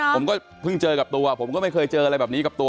ผมก็เพิ่งเจอกับตัวผมก็ไม่เคยเจออะไรแบบนี้กับตัว